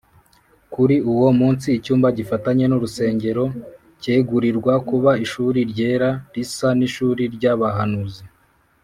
Kuri uwo munsi icyumba gifatanye n’urusengero cyegurirwa kuba ishuri ryera, risa n’ishuri ry’abahanuzi